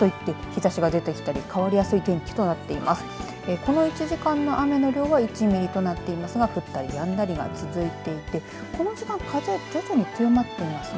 この１時間の雨の量は１ミリとなってますが降ったりやんだりが続いていてこの時間風、徐々に強まっていますね。